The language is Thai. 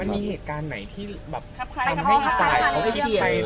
มันมีเหตุการณ์ไหนที่ทำให้อีกค่ายเขาจะเชี่ยง